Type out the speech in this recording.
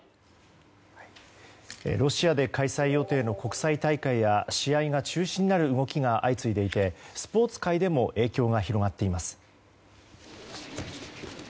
ロシアで開催予定の国際大会や試合が中止になる動きが相次いでいてスポーツ界でも影響が広がっています。